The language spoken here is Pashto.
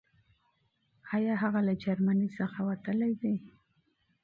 آيا هغه له جرمني څخه وتلی دی؟